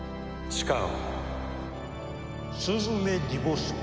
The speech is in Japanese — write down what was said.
スズメ・ディボウスキ。